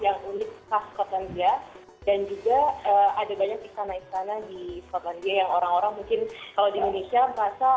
dan juga ada banyak istana istana di skotlandia yang orang orang mungkin kalau di indonesia merasa